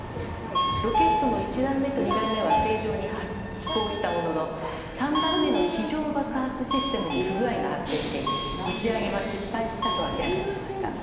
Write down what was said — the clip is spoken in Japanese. ロケットの１段目と２段目は正常に飛行したものの３段目の非常爆発システムに不具合が発生し打ち上げは失敗したと明らかにしました。